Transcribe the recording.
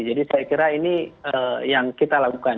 jadi saya kira ini yang kita lakukan